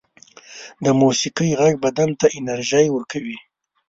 د موسيقۍ غږ بدن ته انرژی ورکوي